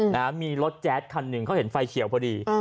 นะฮะมีรถแจ๊ดคันหนึ่งเขาเห็นไฟเขียวพอดี